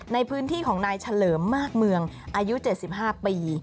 ในพื้นที่ของนายเฉลิมมากเมืองอายุเจ็ดสิบห้าปี